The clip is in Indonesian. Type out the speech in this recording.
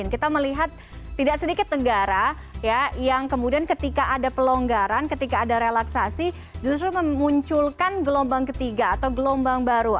kita melihat tidak sedikit negara yang kemudian ketika ada pelonggaran ketika ada relaksasi justru memunculkan gelombang ketiga atau gelombang baru